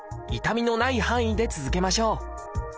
痛みのない範囲で続けましょう。